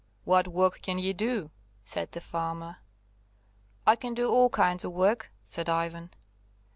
"What work can ye do?" said the farmer. "I can do all kinds of work," said Ivan.